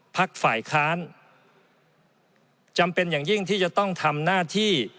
ฝ่ายค้านจำเป็นอย่างยิ่งที่จะต้องทำหน้าที่